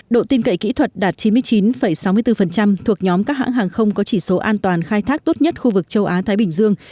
độ tin cậy kỹ thuật đạt chín mươi chín sáu mươi bốn thuộc nhóm các hãng hàng không có chỉ số an toàn khai thác tốt nhất khu vực châu á thái bình dương